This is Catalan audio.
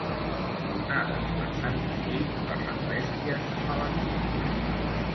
Tronades per Sant Magí, per les bèsties mala fi.